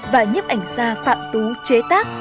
và nhấp ảnh ra phạm tú chế tác